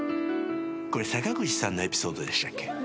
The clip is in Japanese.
これ坂口さんのエピソードでしたっけ？